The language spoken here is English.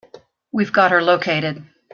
We've got her located.